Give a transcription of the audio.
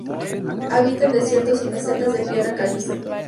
Habita en desiertos y mesetas de piedra caliza.